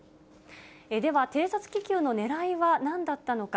では、偵察気球のねらいは何だったのか。